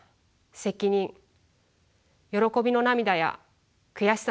責任喜びの涙や悔しさの涙。